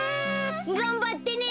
がんばってね！